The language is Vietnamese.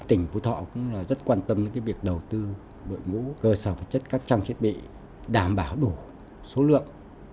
tỉnh phú thọ cũng rất quan tâm đến việc đầu tư đội ngũ cơ sở vật chất các trang thiết bị đảm bảo đủ số lượng